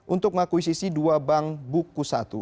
untuk mengakuisisi dua bank buku satu